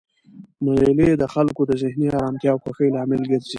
مېلې د خلکو د ذهني ارامتیا او خوښۍ لامل ګرځي.